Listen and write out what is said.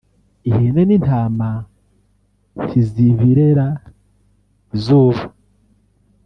ihene n’intama ntizibirera izuba